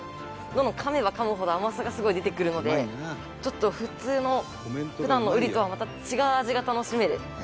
どんどんかめばかむほど甘さがすごい出てくるのでちょっと普通の普段のうりとはまた違う味が楽しめる。